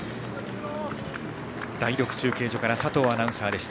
第６中継所から佐藤アナウンサーでした。